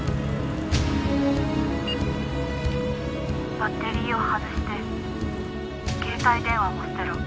「バッテリーを外して携帯電話も捨てろ」